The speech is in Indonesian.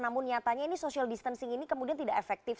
namun nyatanya ini social distancing ini kemudian tidak efektif